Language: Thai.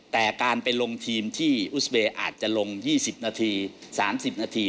แต่การไปลงทีมที่อุสเบย์อาจจะลง๒๐นาที๓๐นาที